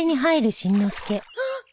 あっ！